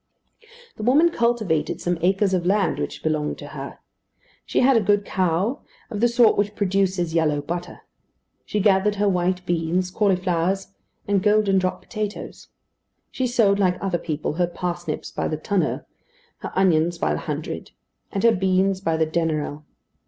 The woman cultivated some acres of land which belonged to her. She had a good cow, of the sort which produces yellow butter. She gathered her white beans, cauliflowers, and "Golden drop" potatoes. She sold, like other people, her parsnips by the tonneau, her onions by the hundred, and her beans by the denerel.